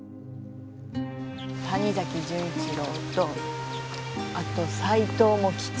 谷崎潤一郎とあと斎藤茂吉。